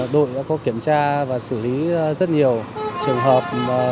đội đã có kiểm tra và xử lý rất nhiều trường hợp